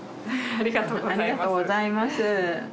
ありがとうございます。